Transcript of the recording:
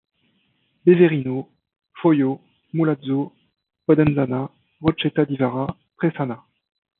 Beverino, Follo, Mulazzo, Podenzana, Rocchetta di Vara, Tresana.